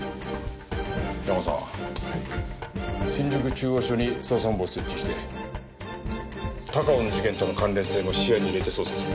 新宿中央署に捜査本部を設置して高尾の事件との関連性も視野に入れて捜査する。